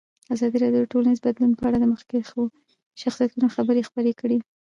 ازادي راډیو د ټولنیز بدلون په اړه د مخکښو شخصیتونو خبرې خپرې کړي.